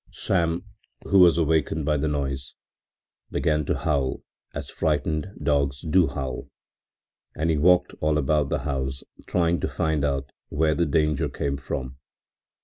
Sam, who was awakened by the noise, began to howl as frightened dogs do howl, and he walked all about the house trying to find out where the danger came from.